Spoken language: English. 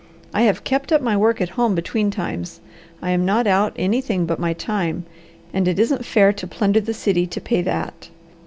I have kept up my work at home between times. I am not out anything but my time, and it isn't fair to plunder the city to pay that.